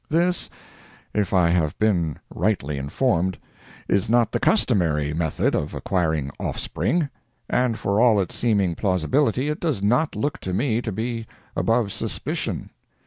This, if I have been rightly informed, is not the customary method of acquiring offspring, and for all its seeming plausibility it does not look to me to be above suspicion.